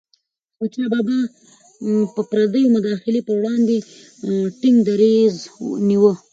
احمدشاه بابا به د پردیو مداخلي پر وړاندې ټينګ دریځ نیوه.